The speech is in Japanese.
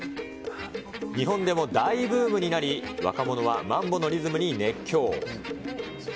日本でも大ブームになり、若者はマンボのリズムに熱狂。